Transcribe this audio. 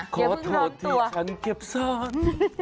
ขอโทษที่ฉันเก็บซ่อน